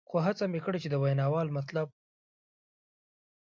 خو هڅه مې کړې چې د ویناوال مطلب.